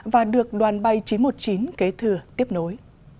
và được đoàn bay chín trăm một mươi chín kế thừa tiếp nối